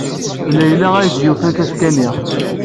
D Layla ay d-yufan tafekka-nni.